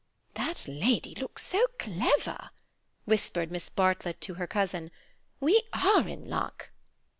"That lady looks so clever," whispered Miss Bartlett to her cousin. "We are in luck."